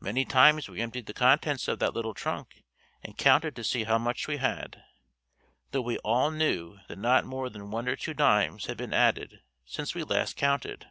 Many times we emptied the contents of that little trunk and counted to see how much we had, though we all knew that not more than one or two dimes had been added since we last counted.